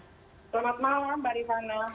selamat malam mbak rizana